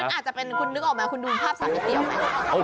มันอาจจะเป็นคุณนึกออกมั้ยคุณดูภาพสามิติออกมั้ย